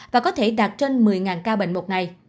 và có thể đạt trên một mươi ca bệnh một ngày